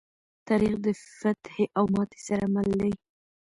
تاریخ د فتحې او ماتې سره مل دی.